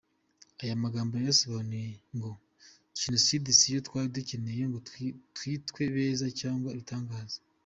Aya magambo wayasobanura ngo: jenocide siyo twari dukeneye ngo twitwe beza cyangwa ibitangaza.